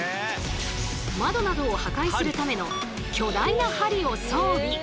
窓などを破壊するための巨大な針を装備。